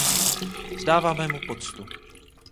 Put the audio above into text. Vzdáváme mu poctu.